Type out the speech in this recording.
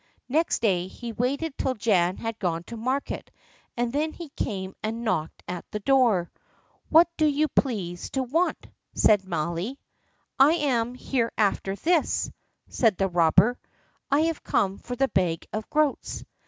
Next day, he waited till Jan had gone to market, and then he came and knocked at the door. "What do you please to want?" said Mally. "I am Hereafterthis," said the robber. "I have come for the bag of groats."